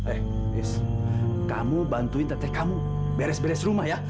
eh is kamu bantuin teteh kamu beres beres rumah ya